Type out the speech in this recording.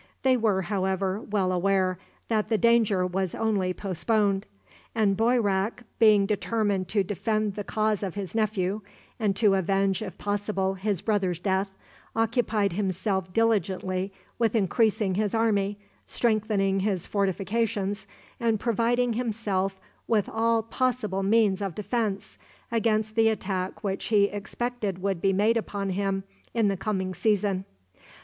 They were, however, well aware that the danger was only postponed; and Boyrak, being determined to defend the cause of his nephew, and to avenge, if possible, his brother's death, occupied himself diligently with increasing his army, strengthening his fortifications, and providing himself with all possible means of defense against the attack which he expected would be made upon him in the coming season.